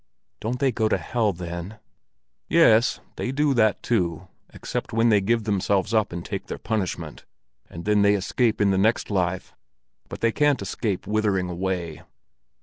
"Don't they go to hell, then?" "Yes, they do that too, except when they give themselves up and take their punishment, and then they escape in the next life; but they can't escape withering away."